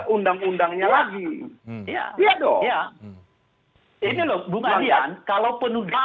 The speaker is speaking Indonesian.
undang undang pemilu mengatakan